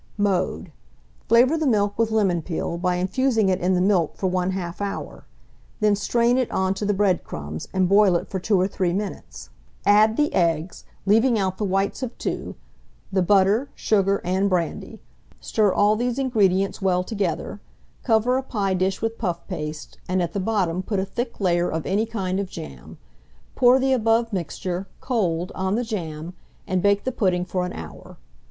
Mode. Flavour the milk with lemon peel, by infusing it in the milk for 1/2 hour; then strain it on to the bread crumbs, and boil it for 2 or 3 minutes; add the eggs, leaving out the whites of 2, the butter, sugar, and brandy; stir all these ingredients well together; cover a pie dish with puff paste, and at the bottom put a thick layer of any kind of jam; pour the above mixture, cold, on the jam, and bake the pudding for an hour.